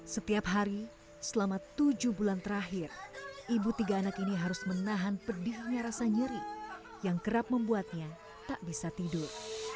setiap hari selama tujuh bulan terakhir ibu tiga anak ini harus menahan pedihnya rasa nyeri yang kerap membuatnya tak bisa tidur